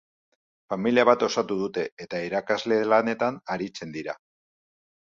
Familia bat osatu dute eta irakasle lanetan aritzen dira.